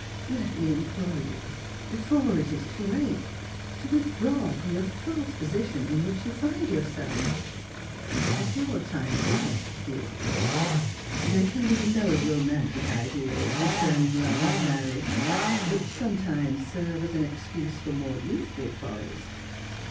" Let me implore you, before it Is too late, to withdraw from the false position in which you find yourself. At your time of life, my dear Philura, there can be no jomantic Ideas concerning love and mar riage, which sometimes serve as an excuse for more youthful follies.